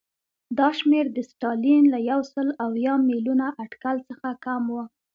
دا شمېر د ستالین له یو سل اویا میلیونه اټکل څخه کم و